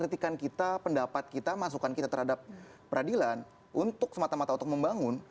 kritikan kita pendapat kita masukan kita terhadap peradilan untuk semata mata untuk membangun